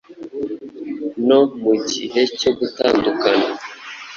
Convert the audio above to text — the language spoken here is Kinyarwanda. no mu gihe cyo gutandukana